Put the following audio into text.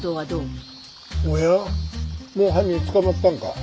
もう犯人捕まったんか？